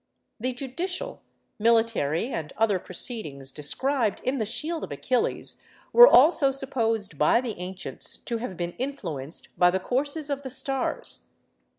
The judicial, military, and other proceedings described in the 'Shield of Achilles' were also supposed by the ancients to have been influenced by the courses of the stars.